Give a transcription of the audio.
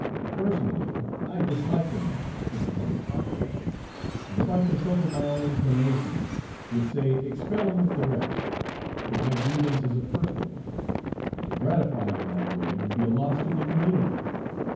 "Personally, I dislike the man," interposed Carteret, "and if I consulted my own inclinations, would say expel him with the rest; but my grievance is a personal one, and to gratify it in that way would be a loss to the community.